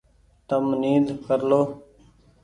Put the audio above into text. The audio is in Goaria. تم نيد ڪر لو ۔